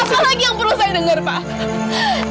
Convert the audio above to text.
apa lagi yang perlu saya denger pak